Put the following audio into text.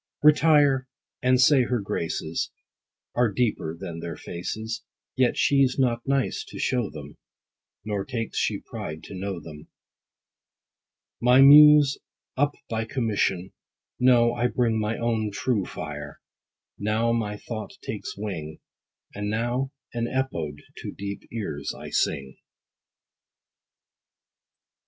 Retire, and say her graces Are deeper than their faces, Yet she's not nice to show them, Nor takes she pride to know them. My muse up by commission ; no, I bring My own true fire : now my thought takes wing, And now an EPODE to deep ears I sing.